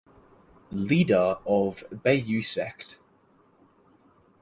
Leader of Bai Yue Sect.